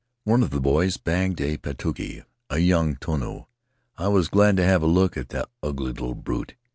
One of the boys bagged a patuhi — a young ionu; I was glad to have a look at the ugly little brute.